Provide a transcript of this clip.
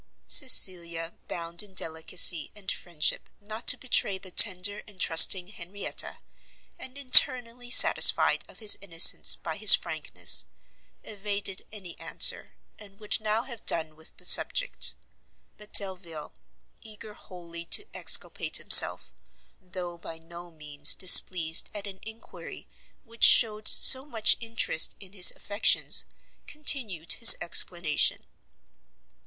Cecilia, bound in delicacy and friendship not to betray the tender and trusting Henrietta, and internally satisfied of his innocence by his frankness, evaded any answer; and would now have done with the subject; but Delvile, eager wholly to exculpate himself, though by no means displeased at an enquiry which shewed so much interest in his affections, continued his explanation.